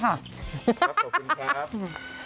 ขอบคุณครับ